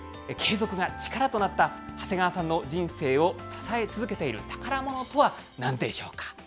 継続が力となった長谷川さんの人生を支え続けている宝ものとは、なんでしょうか。